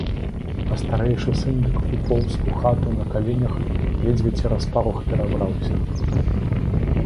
А старэйшы сын дык упоўз у хату на каленях, ледзьве цераз парог перабраўся.